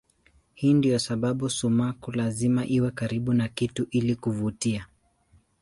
Hii ndiyo sababu sumaku lazima iwe karibu na kitu ili kuvutia.